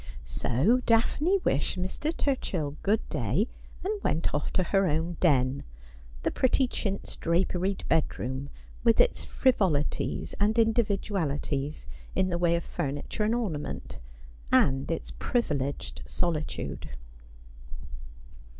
So Daphne wished Mr. Turchill good day, and went off to her own den — the pretty chintz draperied bedroom, with its fri volities and individualities in the way of furniture and orna ment, and its privileged solitude.